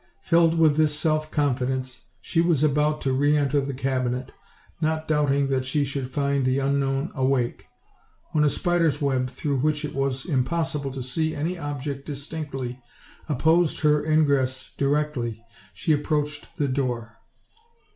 Filled with this self coa 152 OLD, OLD FAIRY TALES. fidence, she was about to re enter the cabinet, not doubt* ing that she should find the unknown awake; when a spider's web, through which it was impossible to see any object distinctly, opposed her ingress directly she ap proached the door.